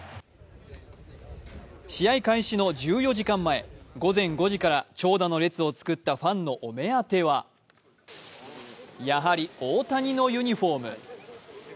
試合開始の１４時間前、午前５時から長蛇の列を作ったファンのお目当ては、やはり大谷のユニフォーム。